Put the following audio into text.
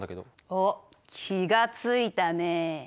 おっ気が付いたね。